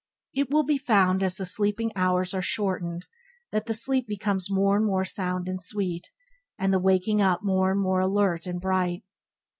It will be found as the sleeping hours are shortened that the sleep becomes more and more sound and sweet, and the waking up more and more alert and bright.